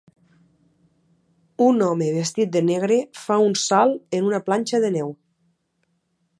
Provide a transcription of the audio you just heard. Un home vestit de negre fa un salt en una planxa de neu.